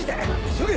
急げ！